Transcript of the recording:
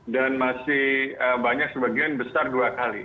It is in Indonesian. dan masih banyak sebagian besar dua kali